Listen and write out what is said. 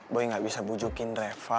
gue gak bisa bujukin reva